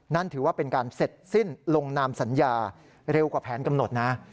นั่นถือว่าเป็นการเสร็จสิ้นลงนามสัญญาเร็วกว่าแผนกำหนดนะ